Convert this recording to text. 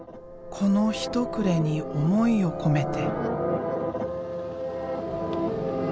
この一塊に想いを込めて。